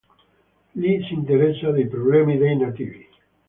Lì si interessa dei problemi dei nativi.